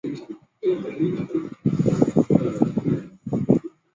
威灵顿是位于英格兰索美塞特郡的一个城市。